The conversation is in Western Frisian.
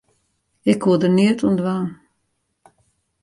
Ik koe der neat oan dwaan.